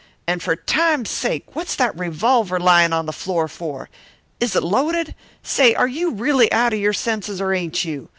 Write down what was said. And for Time's sake, what's that revolver lyin' on the floor for? Is it loaded? Say, are you really out of your senses, or ain't you?